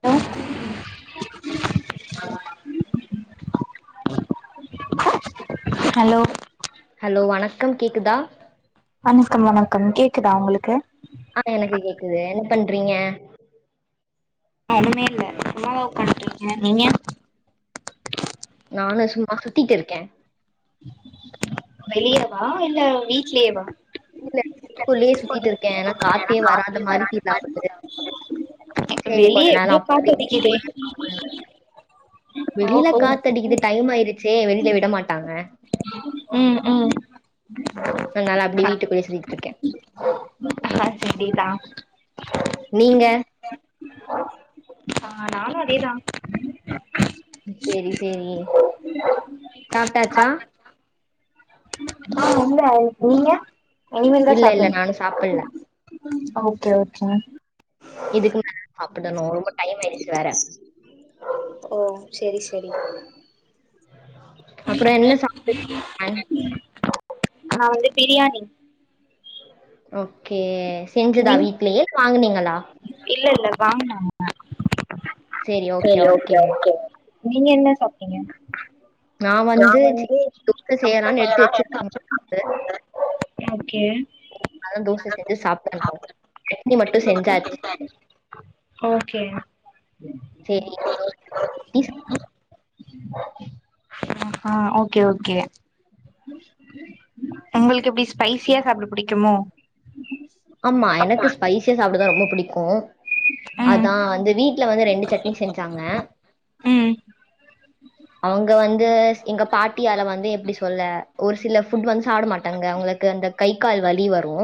Hello hello hello வணக்கம் கேக்குதா வணக்கம் வணக்கம் கேக்குதா உங்களுக்கு அ எனக்கு கேக்குது என் பண்றிங்க ஒன்னுமே இல்ல சும்மாதா உக்கான்ட்ருக்கே நீங்க நானு சும்மா சுத்திட்டு இருக்கே வெளியவா இல்ல வீட்லயேவா வீட்டுக்குள்ளயே சுத்திட்ருக்கே ஏன்னா காத்தே வராத மாரி ஃபீல் ஆவுது செரி கொஞ்ச வெளிய நேரோ எவ்ளோ காத்தடிக்குதே பேசிட்டு [inaudible] வெளில ஓஹோ காத்தடிக்குது டைம் ஆயிருச்சே வெளியில விட மாட்டாங்க ம் ம் அதனால அப்டி வீட்டுக்குள்ளயே சுத்திட்ருக்க காத்தடிக்குதா நீங்க அ நானு அதேதா சேரி சேரி சாப்ட்டாச்சா ஆ இல்ல நீங்க இனிமேல்தா இல்ல இல்ல சாப்டனு நானு சாப்பல்ல ஓகே ஓகே இதுக்கு மேல சாப்படனு ரொம்ப டைம் ஆயிடுச்சு வேற ஓ செரி செரி அப்றோ என்ன [inaudible] நா வந்து பிரியாணி ஓகே செஞ்சதா நீ வீட்லயே இல்ல வாங்கனிங்களா இல்ல இல்ல வாங்குனாங்க சேரி ஓகே ஓகேங்க தா நீங்க என்ன சாப்ட்டிங்க நா வந்து [inaudible] செய்யலான்னு எடுத்து வெச்சிருக்காங்க ஓக்கே அதா தோச செஞ்சு சாப்புடனு சட்னி மட்டு செஞ்சாச்சு ஓக்கே சேரி [unintelligible] ஆ ஆ ஓக்கே ஓக்கே உங்களுக்கு எப்டி ஸ்பைசியா சாப்ட புடிக்குமோ ஆமா எனக்கு ஸ்பைசியா சாப்டதா ரொம்ப புடிக்கு ம் அதா வந்து வீ வீட்டுல வந்து ரெண்டு சட்னி செஞ்சாங்க ம் அவுங்க வந்து எங்க பாட்டி அத வந்து எப்டி சொல்ல ஒரு சில ஃபுட் வந்து சாப்ட மாட்டாங்க அவுங்களுக்கு அந்த கை கால் வலி வரூ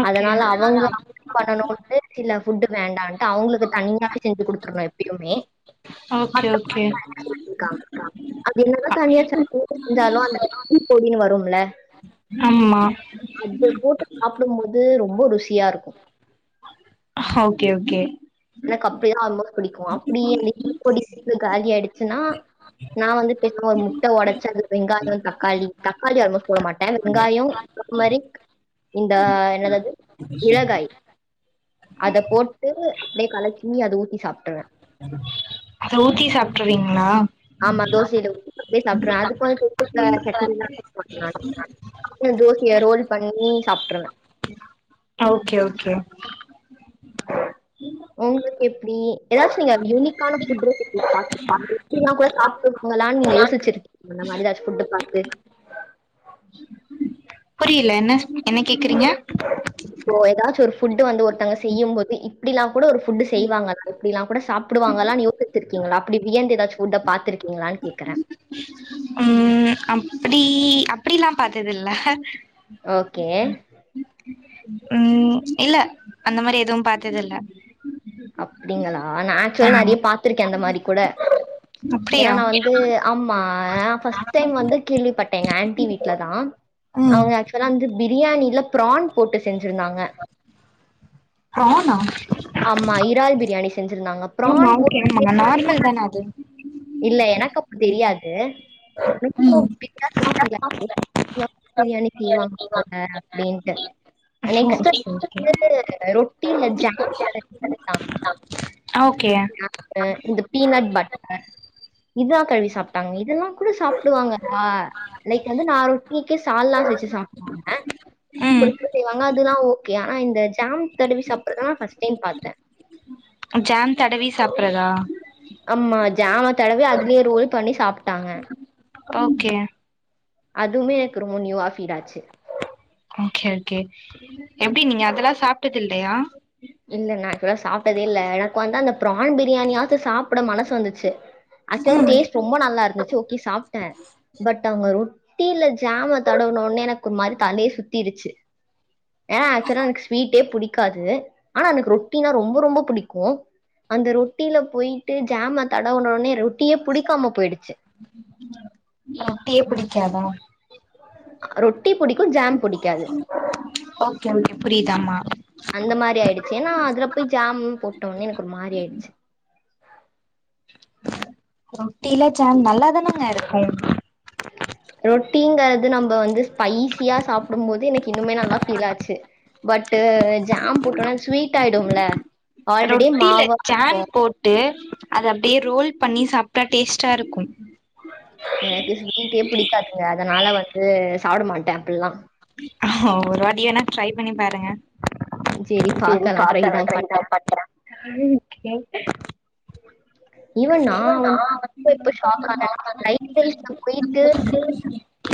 ஓக்கே அதுதா அவுங்க [inaudible] பண்ணனுன்டு சில ஃபுட் வேண்டான்ட்டு அவுங்களுக்கு தனியாவே செஞ்சு குடுத்துருனு எப்பயுமே ஓக்கே மத்தவங்க ஓக்கே இருக்காங்க அது என்னதா தனியா சட்னி செஞ்சாலு அந்த இட்லி பொடின்னு வரு ஆம்மா அது போட்டு சாப்பிடும் போது ரொம்ப ருசியா இருக்கு ஓக்கே ஓக்கே எனக்கு அப்படிதா ரொம்போ பிடிக்கு அப்படி அந்த இட்லி பொடி காலி அயிடிச்சுன்னா நா வந்து ஒரு முட்ட ஒடச்சி அதுல்ல வெங்காயோ தக்காளி தக்காளி ஆல்மோஸ்ட் போட மாட்டே வெங்காயோ டெர்மரிக் இந்த என்னதது மிளகாய் அத போட்டு அப்படியே கலக்கி அத ஊத்தி சாப்பிட்டுருவே அத ஊத்தி சாப்பிட்டுருவீங்களா ஆமா தோசையில ஊத்தி அப்டியே சாப்பிடுருவே அதுக்கு வந்து தொட்டுக்க சட்னில்லா அரைக் மாட்ட நானு அப்டியே தோசய ரோல் பண்ணி சாப்பிட்ருவே ஓக்கே ஓக்கே உங்களுக்கு எப்படி ஏதாச்சுநீங்க யூனிக்கான ஃபுட் ரெசிப்பி பாத் இப்டில்லா கூட சாப்பிடுவங்களான்னு நீங்க யோசிச்சிருக்கீங்களானூ எதாச்சு ஃபுட்ட பாத்து புரியல என்ன என்ன கேக்குறீங்க இப்போ ஏதாச்சு ஒரு ஃபுட்டு வந்து ஒருத்தங்க செய்யும்போது இப்படில்லாங் கூட ஒரு ஃபுட்டு செய்வாங்க எப்படிலல்லா கூட சாப்ப சாப்புடுவாங்களான்னு யோசிச்சு இருக்கீங்களா அப்படி வியந்து ஏதாச்சு ஃபுட்ட பா்த்திருக்கீங்களான்னு கேடக்குறே உம் அப்படி அப்படில்லா பாத்தது இல்ல ஓக்கே உம் இல்ல அந்த மாரி எதுவும் பாத்தது இல்ல அப்படிங்களா நா ஆக்சுவல ஆமா நிறைய பா்த்திருக்கே அந்த மாரி கூட ஏன்னா அப்டியா நா வந்து ஆமா நா ஃபஸ்ட் டைம் வந்து கேள்விப்பட்டே எங்க ஆண்டி வீட்டுல தா ம் அவங்க ஆக் சுலா வந்து பிரியாணியில ப்ரான் போட்டு செஞ்சுருந்தாங்க ப்ரானா ஆமா இறால் பிரியாணி செஞ்சிருந்தாங்க ப்ரான் போ ஆமாங்க நார்மல் தனே அது இல்ல எனக்கு அப்போ தெரியாது ரொம்ப ம் வித்தியாசமா பீல் ஆச்சி யசமா பிரியாணி செய்வாங்க போல அப்படின்ட்டு நெக்ஸ்ட் ஓகே ஓகே டைம் வந்து ரொட்டியில ஜாம் தடவி குடுத்தாங்க ஓக்கே [unintelligible] இந்த பீனட் பட்டர் இத தடவி சாப்பிட்டாங்க இதல்லா கூட சாப்பிடுவாங்கலா லைக் வந்து நா ரொடிக்கே சால்ன்னா செஞ்சி சாப்பிடுவாங்க ம் செய்வாங்க அதெல்லா ஓக்கே ஆனா இந்த ஜாம் தடவி சாப்பறத நா ஃபஸ்ட் டைம் பாத்தே ஜாம் தடவி சாப்பறதா ஆம்மா ஜாம தடவி அதுலயே ரோல் பண்ணி சாப்ட்டாங்க ஓக்கே அதுமே எனக்கு ரொம்ப நியூவா ஃபீடாச்சு ஓக்கே ஓகே எப்டி நீங்க அதெல்லா சாப்ட்டது இல்லையா இல்ல நா ஆக்சுவலா சாப்ட்டதே இல்ல எனக்கு வந்து அந்த ப்ரான் பிரியாணியாவது சாப்ட மனசு வந்துச்சு ஆக்சுல் ம் டேஸ்ட் ரொம்ப நல்லா இருந்துச்சு ஓக்கே சாப்ட்டே பட் அவுங்க ரொட்டில ஜாம தடவுனவுன்னே எனக்கு ஒரு மாரி தலயே சுத்திருச்சு ஏன்னா ஆக்சுவலா எனக்கு ஸ்வீட்டே பிடிக்காது ஆனா எனக்கு ரொட்டினா ரொம்ப ரொம்ப பிடிக்கு அந்த ரொட்டில போய்ட்டு ஜாம தடவுனொன்னே ரொட்டியே புடிக்காம போய்டுச்சு ரொட்டியே பிடிக்காதா அ ரொட்டி புடிக்கு ஜாம் புடிக்காது ஓகே ஓகே புரியுதாமா அந்த மாரி ஆயிடுச்சு ஏன்னா அதுல போய் ஜாம் போட்டோன்னே எனக்கு ஒரு மாரி ஆயிடுச்சு ரொட்டில ஜாம் நல்லாதானங்க இருக்கும். ரொட்டிங்கறது நம்ம வந்து ஸ்பைசியா சாப்டும் போது எனக்கு இன்னுமே நல்லா ஃபீல் ஆச்சு பட்டு ஜாம் போட்டோனா ஸ்வீட் ஆயிடுல ஆல்ரெடி மாவா இருக்கு ட்டு அது அப்டியே ரோல் பண்ணி சாப்ட்டா டேஸ்டா இருக்கும் எனக்கு ஸ்வீட்டே பிடிக்காதுங்க அதனால வந்து சாப்பட மாட்ட அப்பில்லா ஒரு வாட்டி வேணா ட்ரை பண்ணி பாருங்க சரி செரி பார்க்கலாம். பாக்கறே தான் ட்ரை தா பண்றேன். பண்றே ஈவன் நா வந்து எப்ப ஷாக் ஆனன்னா ஃபிரைட் ரைஸ்ல போயிட்டு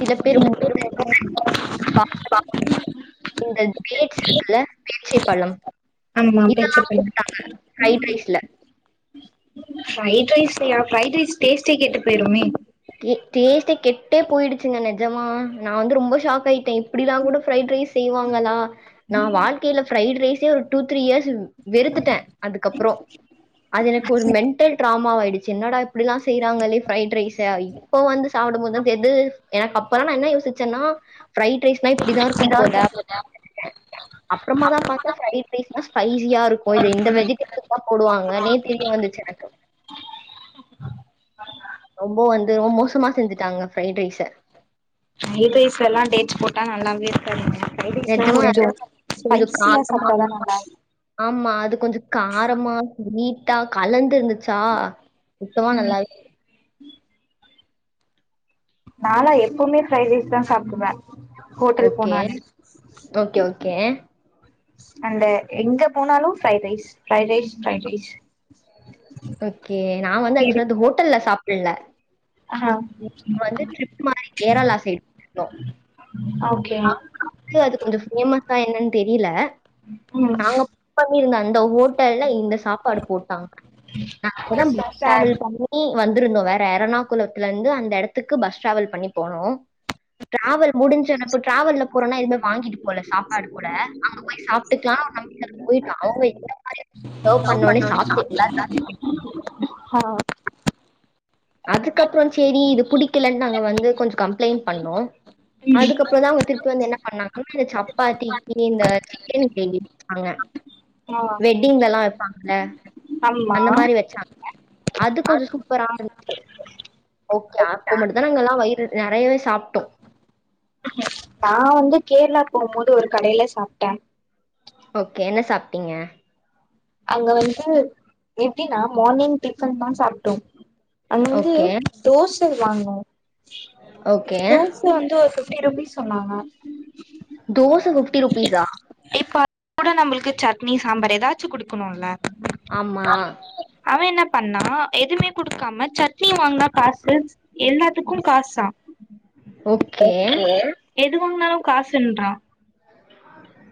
சில பேர் மு [inaudible] [inaudible] இந்த டேட்ஸ் இருக்குல பேரிச்சை பழம் ஆமா பேச்ச இதெல்லா போட்டாங்க ஃப்ரைட் ரைஸ்ல ஃப்ரைட் ரைஸ்லயா ஃப்ரைட் ரைஸ் டேஸ்ட்டே கெட்டு போயிருமே கே டேஸ்ட்டே கெட்டே போயிடுச்சுங்க நெஜமா நா வந்து ரொம்ப ஷாக் ஆயிட்டே இப்டிலா கூட ஃபிரைட் ரைஸ் செய்வாங்களா நா வாழ்க்கைல ஃபிரைட் ரைஸே ஒரு டூ த்ரீ இயர்ஸ் வெறுத்துட்டே அதுக்கப்றோ அது ஒரு மென்டல் ட்ரா மா ஆயிடுச்சு என்னடா இப்படில்லா செய்றாங்கலே ஃபிரைட் ரைஸ் தா இப்போ வந்து சாப்படும் போதுதா தெர்து எனக்கு அப்பல்லா நா என்ன யோசிச்சன்னா ப்ரைட் ரைஸ்னா இப்டிதா இருக்கும் போல [inaudible] அப்பறமா தா பாத்த ஃப்ரைட் ரைஸ்னா ஸ்பைசியா இருக்கு இது இந்த வெஜிடேபிள் தா போடுவாங்கனே தெரிய வந்துச்சு எனக்கு ரொம்ப வந்து ரொம்ப மோசமா செஞ்சுட்டாங்க ஃப்ரைட் ரைஸ ஃப்ரைட் ரைஸ் எல்லா டேட்ஸ் போட்டா நல்லாவே இருக்காதுங்க ப்ரைட் ரைஸ் எல்லா நிஜமா அது கொஞ்ச ஸ்பைசியா சாப்ட்டாதா நல்லா ஆம்மா அது கொஞ்ச காரமா நீட்டா கலந்திருந்து ச்சா சுத்தமா நல்லாவே நாலா எப்பவுமே ஃப்ரைட் ரைஸ் தா சாப்டுவே ஹோட்டல் ஓகே. போனாலே ஓகே, ஓகே. அண்ட் எங்க போனாலு fried rice fried rice fried rice okay நா வந்து இது ஆக்சுவல அது இருக்கா ஹோட்டல்ல சாப்பல்ல ஆ வந்து டிரிப் மாரி கேரளா சைடு அப் அப் அப்யே அது கொஞ்ச ஃபேமஸா என்னன் தெரில ம் நாங்க புக் பண்ணிருந்த அந்த ஹோட்டல்ல இந்த சாப்பாடு போட்டாங்க நா அப்பதா பஸ் சார் ட்ராவல் பண்ணி நி வந்துருந்தோ வேற எறணாகுளத்துலந்து அந்த எடத்துக்கு பஸ் ட்ராவல் பண்ணி போனோ டிராவல் முடிஞ்ச இப்ப டிராவல்ல போறோனா எதுமே வாங்கிட்டு போல சாப்பாடு கூட அங்க போய் சாப்ட்டுக்லா [unintelligible] போய்ட்டு அவுங்க எல்லார் மாரியு சேர்வ் பண்ணோனே சாப்ட்டு எல்லார் ஹா அதுக்கப்றோ சேரி இது புடிக்கிலன் நாங்க வந்து கொஞ்சோ கம்ப்ளைண் பண்ணோ ம் அதுக்கப்றோ தா அவுங்க திருப்பி வந்து என்ன பண்ணாங்கானு சப்பாத்திக்கி இந்த சிக்கன் க்ரேவி வெச்சாங்க ஆ வெட் டிங்லல்லா வெப்பாங்கள ஆமா அந்த மாரி வெச்சாங்க அது கொஞ்சோ சூப்பராரு ஓக்கே அப்போ மட்டு தா நாங்க எல்லா வயிறு நெறயவே சாப்ட்டோ நா வந்து கேர்ளாக் போவும்போது ஒரு கடைல சாப்ட்ட ஓககே என்ன சாப்ட்டிங்க அங்க வந்து எப்டினா மார்னிங் டிஃபன் தா சாப்ட்டோ அங்க வந்து ஓகே. தோஷை வாங்னோ ஓக்கே ச வந்து ஒரு ஃபிஃப்டி ருபீஸ் சொன்னாங்க தோச ஃபிஃப்டி ருபீஸா இப்ப அத் கூட நம்ளுக்கு சட்னி சாம்பார் எதாச்சு குடுக்குணுல்ல ஆம்மா அவ என்ன பண்ணா எதுமே குடுக்காம சட்ணி வாங்னா காசு எல்லாத்துக்கும் காசா ஓக்கே எது வாங்னாலு காசுன்றா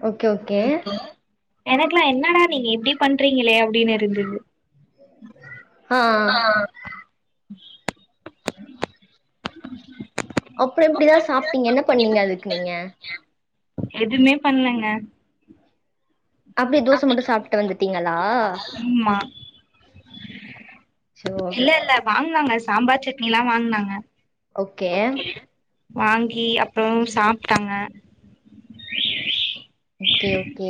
ஓகே, ஓக்கே ஓகே. ஓக்கே எனக்லா என்னடா நீங்க இப்டி பண்றிங்களே அப்டின் இருந்துது ஆ அப்றோ எப்டிதா சாப்ட்டிங்க என்ன பண்ணிங்க அதுக்கு நீங்க எதுமே பண்லங்க அப்படியே தோசை அப்டியே மட்டும் தோச மட்டு சாப்ட்டு வந்துட்டீங்களா? வன்டிங்ளா அச்சோ! இல்ல இல்ல வாங்னாங்க சாம்பார் சட்னிலா வாங்னாங்க ஓக்கே வாங்கி அப்றோ சாப்ட்டாங்க ஓக்கே ஓக்கே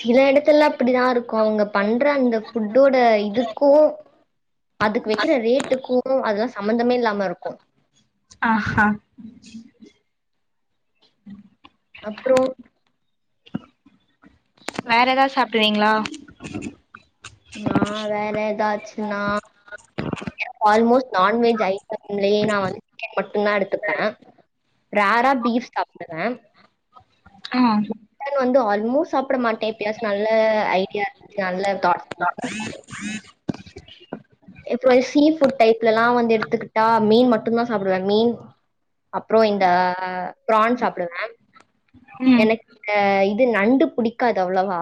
சில எடத்துல்லா அப்டிதா இருக்கும் அவுங்க பண்ற அந்த ஃபுட்டோட இதுக்கோ அதுக்கு வெக்கிற ரேட்டுக்கு அதுலா சம்மந்தமே இல்லாம இருக்கு ஆ ஹா அப்றோ வேற எதாது சாப்டுவிங்ளா நா வேற எதாச்சுனா ஆ ஆல்மோஸ்ட் நான்வெஜ் ஐட்டம்லயே நா வந்து சிக்கன் மட்டுந்தா எடுத்துப்பே ரேர்ரா பீஃப் சாப்புடுவ ஆ [unintelligible] வந்து ஆல்மோஸ் சாப்புட மாட்டே எப்பயாச்சு நல்ல ஐடியா நல்ல தாட் உம் எப்புமே சீ ஃபுட் டைப்லலா வந்து எடுத்துக்கிட்டா மீன் மட்டுந்தா சாப்புடுவ மீன் அப்றோ இந்த பிரான் சாப்புடுவ ம் எனக் கு இது நண்டு புடிக்காது அவ்ளவா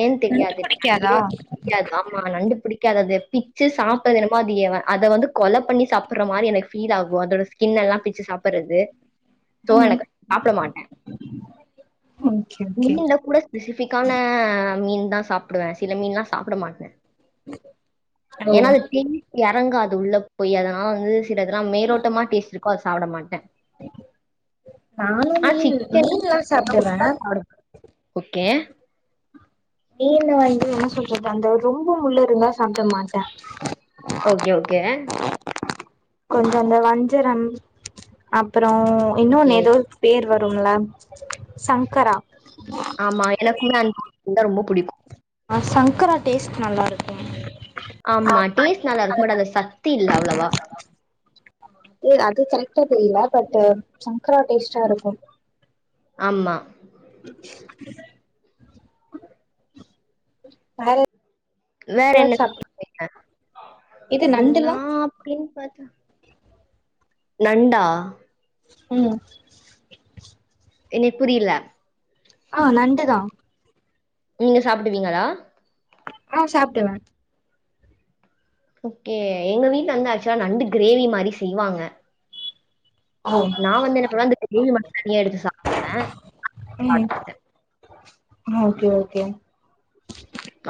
ஏன் நொங்கு தெரியாது புடிக்காதா நண்டு பிடிக்காது ஆமா நண்டு பிடிக்காது அது பிச்சு சாப்புறது என்னமோ அதையேவ அத வந்து கொல பண்ணி சாப்புற மாரி என்க்கு ஃபீல் ஆகு அதோட ஸ்கினெல்லா பிச்சு சாப்புறது சோ ம் எனக்கு சாப்புட மாட்டே ஓகே ஓகே முள்ளேல்ல கூட ஃபெசிபிக்கான மீன்தான் சாப்புடுவ சில மீன்லா சாப்ட மாட்ட ஓ ஏனா அது தே [unintelligible] உள்ள எறங்காது உள்ள போயி அதுனால வந்து சிலதுலா மேரோட்டமா டேஸ்ட்டு கோ அத சாப்புட மாட்ட நானு ஆ மீன் சிக்கன் மீன்லா குடுத்தா ரொம்ப சாப்டுவே குடுத்தா சாப்டுவ ஓகே மீன்ல வந்து என்ன சொல்றது அந்த ரொம்ப முள்ளிருந்தா சாப்ட மாட்ட ஓகே ஓகே கொஞ்சோ அந்த வஞ்சரம் அப்புறோ ஓகே. இன்னொன்னு எதோ பேர் வரும்ல சங்கரா ஆமா எனக்குமே அந் மீன்தா ரொம்ப புடிக்கு ஆ சங்கரா டேஸ்ட்டு நல்லா இருக்கும் ஆமா டேஸ்ட் நல்லா இருக்கும் பட் அதுல சக்தி இல்ல அவ்ளவா பேர் அது கரெக்ட்டா தெரில பட்டு சங்கரா டேஸ்ட்டா இருக்கு ஆமா வேறெ வேற என்ன [inaudible] வீங்க இது நா நண்டுலா க்ளின் பாத்து நண்டா ம் எனுக் புரில ஆ நண்டதா நீங்க சாப்புடுவீங்களா ஆ சாப்டுவ ஓகே எங்க வீட்ல வந்து ஆக்சுவலா நண்டு கிரேவி மாரி செய்வாங்க ஓ நா வந்து என்ன பண்ணுவ அந்த கிரேவி மட்டு தனியா எடுத்து சாப்ட்ருவே [inaudible] சாப்ட ம் மாட்ட ஓகே ஓகே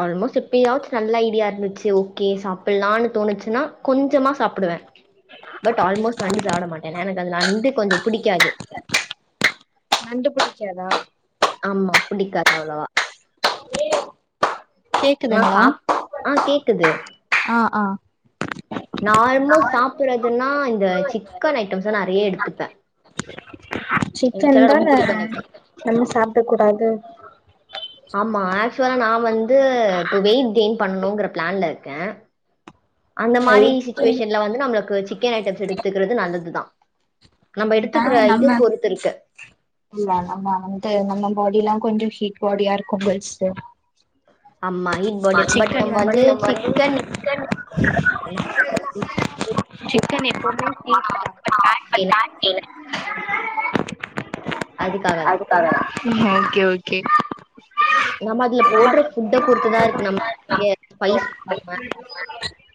ஆல்மோஸ் எப்பயாச்சு நல்ல ஐடியா இருந்துச்சு ஓகே சாப்பில்லானு தோணுச்சுனா கொஞ்சமா சாப்புடுவ பட் ஆல்மோஸ் நண்டு சாப்ட மாட்ட எனக்கு அது நண்டு கொஞ்சோ புடிக்காது நண்டு புடிக்காதா ஆமா பிடிக்காது அவ்ளவா ஆனா கேக்குதுங்ளா சாப் ஆ கேக்குது ஆ ஆ நா ஆல்மோஸ் சாப்புறதுனா இந்த சிக்கன் ஐட்டம்ஸ நறைய எடுத்துப்ப சிக்கன்தான ரொம்ப புடிக்கு எனக்கு நம்ம சாப்ட கூடாது ஆமா ஆக்சுவலா நா வந்து இப்ப வெயிட் கெய்ன் பண்ணணுங்கிற பிளான்ல இருக்க அந்த மாரி வெயிட் சிச்சுவேஷன்ல வந்து நம்ளுக்கு சிக்கன் ஐட்டம்ஸ் எடுத்துக்கிறது நல்லதுதா நம்ம பட் ஆனா எடுத்துக்கிற இது நம்ம பொறுத்து இருக்கு இல்ல அல்லா வேனாட்டு நம்ம பாடில்லா கொஞ்சோ ஹீட் பாடியா இருக்கோ கேள்ஸ்ஸு ஆமா ஹீட் பாடி இருக்கு. பட் சிக்கன் நம்ம வந்து சிக்கன் சிக்கன் எப்போமே ஹீட்தா ஃபேட் கெயின் [unintelligible] அதுக்காக தா ஓகே ஓகே நம்ம அதுல போட்ற ஃபுட்ட பொறுத்துதா இருக்கு நம்ம [inaudible] ஸ்பைஸ் பண்ணாம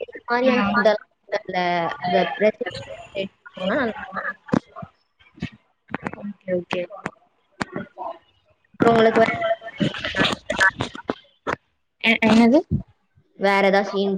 எந்த மாரியான ம் புட்டல்லா டல்ல அந்த [unintelligible] ஓகே ஓகே அப்புறோ உங்களுக்கு வேர [unintelligible] அ என்னது வேற ஏதா சீன்